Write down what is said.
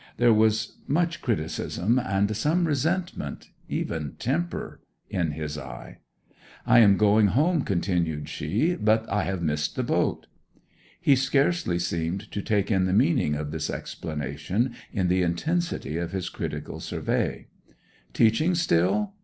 There was much criticism, and some resentment even temper in his eye. 'I am going home,' continued she. 'But I have missed the boat.' He scarcely seemed to take in the meaning of this explanation, in the intensity of his critical survey. 'Teaching still?